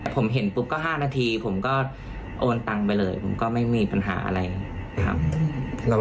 ผมเห็นปุ๊บก็๕นาทีผมก็โอนตังไปเลยผมก็ไม่มีปัญหาอะไรนะครับ